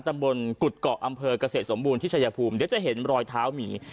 ตำบลกุฎเกาะอำเภอกเกษตรสมบูรณ์ที่ชายภูมิเดี๋ยวจะเห็นรอยเท้าหมี